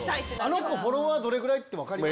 あの子、フォロワーどれくらいって分かります？